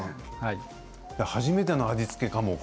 初めての味付けかも。